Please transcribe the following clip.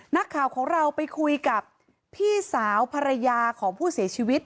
นักข่าวของเราไปคุยกับพี่สาวภรรยาของผู้เสียชีวิต